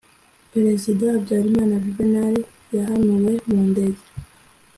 Perezida Habyarimana Juvenal yahanuwe mu ndege.